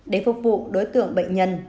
để phục vụ đối tượng bệnh nhân